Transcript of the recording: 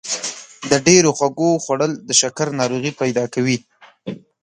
د ډېرو خوږو خوړل د شکر ناروغي پیدا کوي.